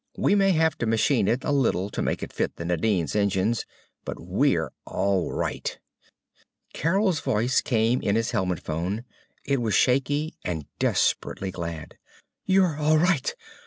We may have to machine it a little to make it fit the Nadine's engines. But we're all right!" Carol's voice came in his helmet phone. It was shaky and desperately glad. "_You're all right?